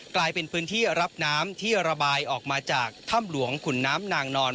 กลายเป็นพื้นที่รับน้ำที่ระบายออกมาจากถ้ำหลวงขุนน้ำนางนอน